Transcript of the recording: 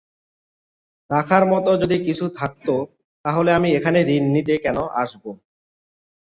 রাখার মতো যদি কিছু থাকতো, তাহলে আমি এখানে ঋণ নিতে কেন আসবো?